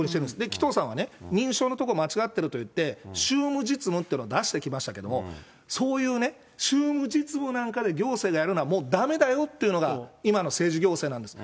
紀藤さんは認証のところ間違ってるって言って、宗務実務っていうのを出してきましたけども、そういう宗務実務なんかで行政がやるのはもうだめだよっていうのが今の政治行政なんです。